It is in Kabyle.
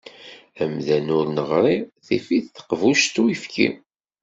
Amdan ur neɣri, tif-it teqbuct uyefki.